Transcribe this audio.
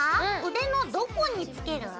腕のどこに着ける？